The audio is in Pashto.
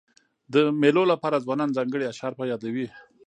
د مېلو له پاره ځوانان ځانګړي اشعار په یادوي.